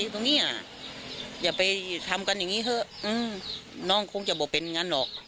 ตรงนี้อย่าไปทำกันอย่างนี้เถอะน้องคงจะบอกเป็นอย่างนั้นหรอก